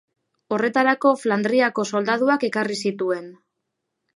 Horretarako Flandriako soldaduak ekarri zituen.